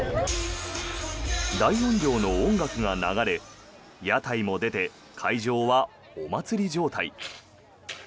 大音量の音楽が流れ屋台も出て、会場はお祭り状態。